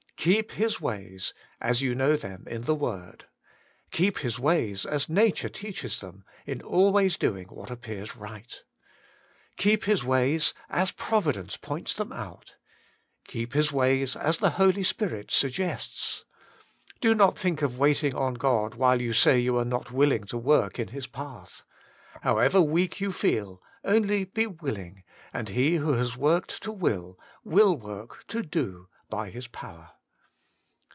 Keep His ways, as you know them in the Word. Keep His ways, as nature teaches them, in always doing what appears right. Keep His ways, as Providence points them out. Keep His ways fts the Holy Spirit suggests. Do not think o waiting on God while you say you are not will ing to work in His path. However weak you feel, only be willing, and He who has worked to will, will work to do by His power.